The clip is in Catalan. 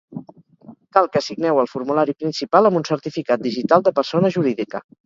Cal que signeu el formulari principal amb un certificat digital de persona jurídica.